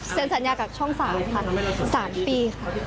เสร็จสัญญากับช่องสาวค่ะ๓ปีค่ะ